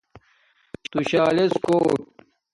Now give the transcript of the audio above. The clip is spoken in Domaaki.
تُشالژکوٹ